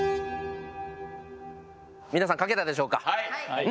皆さん書けたでしょうか。